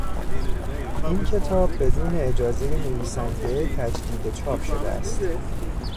این کتاب بدون اجازهی نویسنده تجدید چاپ شده است.